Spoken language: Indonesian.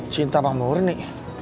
cinta sama murni